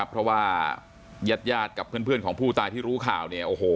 เพราะว่ายาดกับเพื่อนของผู้ตายที่รู้ข่าว